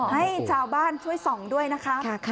ให้ชาวบ้านช่วยส่องด้วยนะคะ